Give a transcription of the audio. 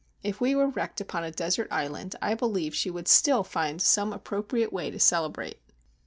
If we were wrecked upon a desert island, I believe she would still find some appropriate way to celebrate.